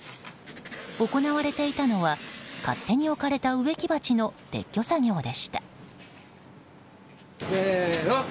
行われていたのは勝手に置かれた植木鉢の撤去作業でした。